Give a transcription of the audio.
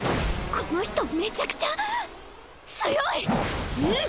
この人めちゃくちゃんっ！